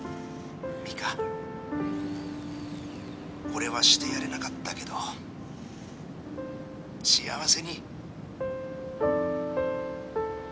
俺はしてやれなかったけど幸せに。